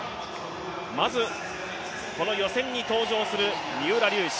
まず、この予選に登場する三浦龍司。